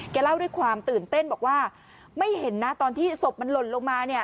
เล่าด้วยความตื่นเต้นบอกว่าไม่เห็นนะตอนที่ศพมันหล่นลงมาเนี่ย